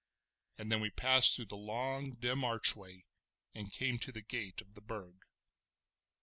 And then we passed through the long, dim archway and came to the gate of the Burg.